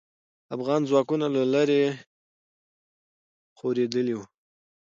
افغان ځواکونه له لرې خورېدلې وو.